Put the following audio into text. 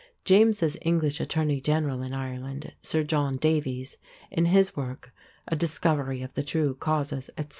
James's English attorney general in Ireland, Sir John Davies, in his work, _A Discoverie of the True Causes, etc.